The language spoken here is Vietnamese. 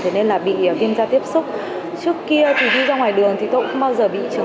ảnh nắng bị hiểu kiểm tra tiếp xúc trước kia thì đi ra ngoài đường thì tôi không bao giờ bị trường